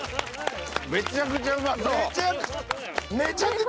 めちゃくちゃうまそう。